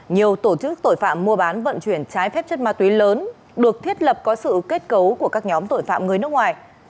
nhiều tổ chức tội phạm mua bán vận chuyển trái phép chất ma túy lớn được thiết lập có sự kết cấu của các nhóm tội phạm người nước ngoài